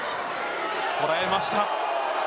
こらえました。